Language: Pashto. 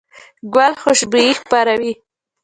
ګل خوشبويي خپروي.